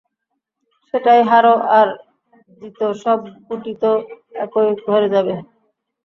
সেটাই হারো আর জিতো সব গুটিতো একই ঘরে যাবে।